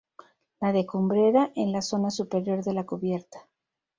La de cumbrera en la zona superior de la cubierta.